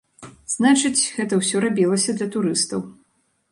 Значыць, гэта ўсё рабілася для турыстаў.